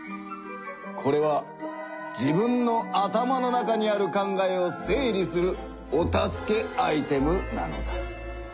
これは自分の頭の中にある考えを整理するお助けアイテムなのだ。